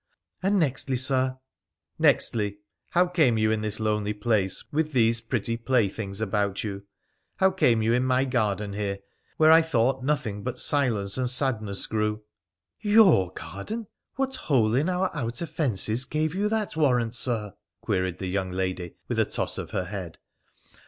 ' And nextly, Sir ?'' Nextly, how came you in this lonely place, with these pretty playthings about you ? How came you in my garden here, where I thought nothing but silence and sadness grew ?'' Your garden ! What hole in our outer fences gave you that warrant, Sir?' queried the young lady, with a toss of her head.